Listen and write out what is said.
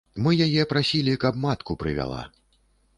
Мы яе прасілі, каб матку прывяла.